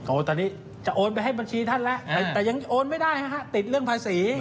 ตอนนี้จะโอนไปให้บัญชีท่านแล้วแต่ยังโอนไม่ได้ฮะติดเรื่องภาษี